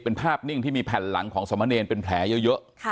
เป็นภาพนิ่งที่มีแผ่นหลังของสมเนรเป็นแผลเยอะ